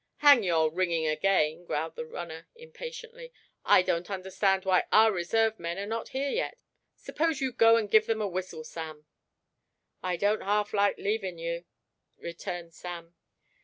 "Hang your ringing again!" growled the runner, impatiently. "I don't understand why our reserve men are not here yet. Suppose you go and give them a whistle, Sam." "I don't half like leaving you," returned Sam.